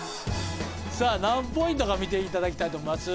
さあ何ポイントか見ていただきたいと思います。